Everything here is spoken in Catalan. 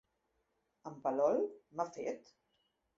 En Palol, m'ha fet?